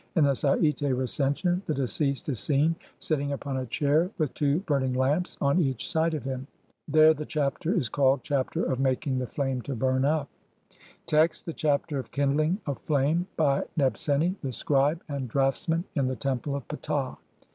In the Sai'te Re cension the deceased is seen sitting upon a chair with two burning lamps on each side of him (see Lepsius, Todtenbuch, Bl. 56) ; there the Chapter is called, "Chapter of making the flame to burn up". Text : (1) The Chapter of kindling a flame by Nebseni, THE SCRIBE AND DRAUGHTSMAN IN THE TEMPLE OF PTAH.